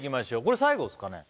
これ最後っすかね？